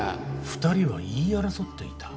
２人は言い争っていた。